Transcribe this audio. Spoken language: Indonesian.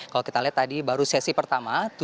kalau kita lihat tadi baru sesi pertama tujuh saksi